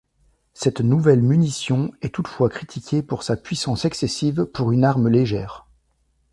Cette nouvelle munition est toutefois critiquée pour sa puissance excessive pour une arme légère.